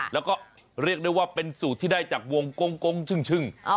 แล้วก็เรียกได้ว่าเป็นสูตรที่ได้จากวงกงชึ่ง